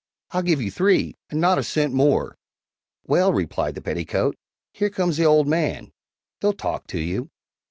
I'll give you three, and not a cent more." "Well," replied the petticoat, "here comes the old man he'll talk to you."